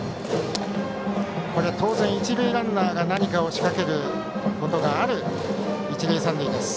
当然、一塁ランナーが何かを仕掛けることがある一塁三塁です。